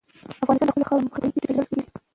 افغانستان د خپلې خاورې له مخې په نړۍ کې پېژندل کېږي.